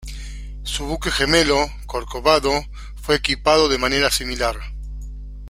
Su buque gemelo "Corcovado" fue equipado de manera similar.